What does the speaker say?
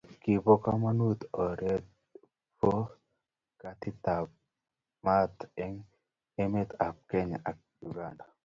Kibo komonut oranato bo katitap mat eng emet ab Kenya ak Uganda